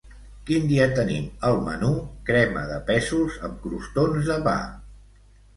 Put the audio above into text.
Quin dia tenim al menú crema de pèsols amb crostons de pa?